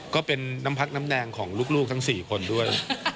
ก็เป็นน้ำพักน้ำแดงของลูกทั้ง๔คนด้วย